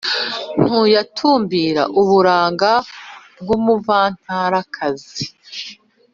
ntuyatumbira uburanga bw’umuvantarakazi;